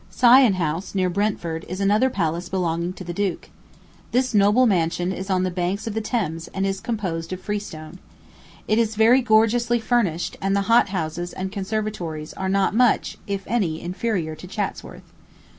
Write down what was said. Sion House, near Brentford, is another palace belonging to the duke. This noble mansion is on the banks of the Thames, and is composed of freestone. It is very gorgeously furnished, and the hothouses and conservatories are not much, if any, inferior to Chatsworth.